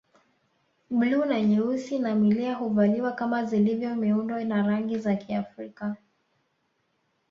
Bluu na nyeusi na milia huvaliwa kama zilivyo miundo na rangi za Kiafrika